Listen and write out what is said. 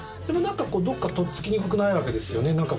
でも何かどっかとっつきにくくないわけですよね。